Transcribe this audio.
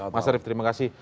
mas arief terima kasih